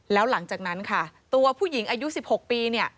แล้วหลังจากนั้นค่ะตัวผู้หญิงอายุ๑๖ปีเนี่ย